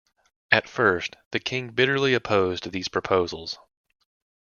At first, the King bitterly opposed these proposals.